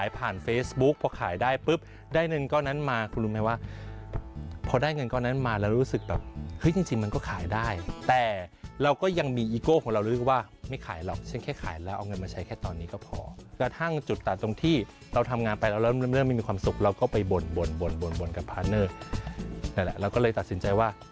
พอขายได้ปุ๊บได้เงินก้อนนั้นมาคุณรู้ไหมว่าพอได้เงินก้อนนั้นมาแล้วรู้สึกแบบเฮ้ยจริงมันก็ขายได้แต่เราก็ยังมีอีโก้ของเรารู้สึกว่าไม่ขายหรอกฉันแค่ขายแล้วเอาเงินมาใช้แค่ตอนนี้ก็พอกระทั่งจุดตัดตรงที่เราทำงานไปแล้วเริ่มไม่มีความสุขเราก็ไปบ่นบ่นกับพาร์เนอร์นั่นแหละเราก็เลยตัดสินใจว่า